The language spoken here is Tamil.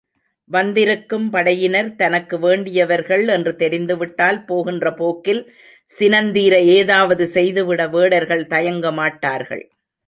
வந்திருக்கும் படையினர் தனக்கு வேண்டியவர்கள் என்று தெரிந்துவிட்டால், போகின்ற போக்கில் சினந்தீர ஏதாவது செய்துவிட வேடர்கள் தயங்க மாட்டார்கள்.